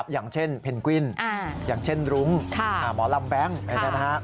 อย่างเช่นเพนกวินอย่างเช่นรุ้งหมอลำแบงค์